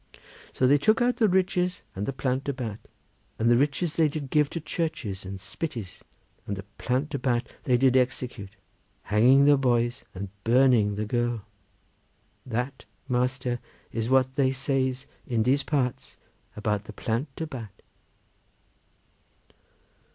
So they took out the riches and the Plant de Bat, and the riches they did give to churches and spyttys, and the Plant de Bat they did execute, hanging the boys and burning the girl. That, master, is what they says in dese parts about the Plant de Bat."